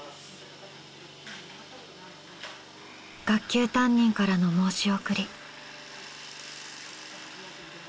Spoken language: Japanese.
学級担任からの申し送り。